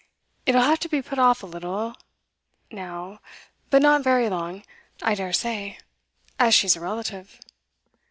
It'll have to be put off a little now; but not very long, I dare say, as she's a relative.